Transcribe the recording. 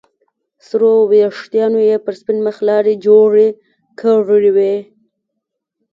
سرو ويښتانو يې پر سپين مخ لارې جوړې کړې وې.